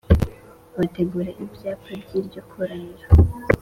bategura ibyapa by iryo koraniro